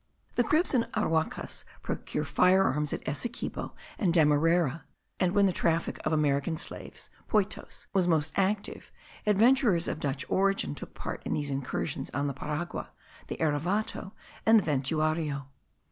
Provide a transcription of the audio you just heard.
The Caribs and the Aruacas procure fire arms at Essequibo and Demerara; and when the traffic of American slaves (poitos) was most active, adventurers of Dutch origin took part in these incursions on the Paragua, the Erevato, and the Ventuario.